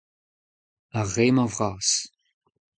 Ar re-mañ vras.